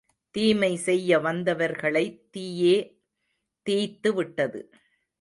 தீமை செய்ய வந்தவர் களைத் தீயே தீய்த்து விட்டது.